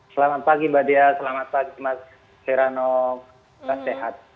selamat pagi mbak dia selamat pagi mas seranok saya sehat